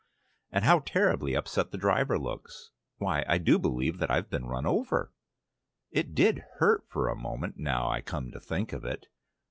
And how terribly upset the driver looks. Why, I do believe that I've been run over! It did hurt for a moment, now I come to think of it